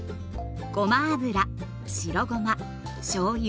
ごま油白ごましょうゆ